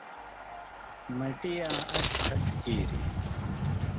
مٹی یاں ان٘ڇھہۡ کھݜ کیریۡ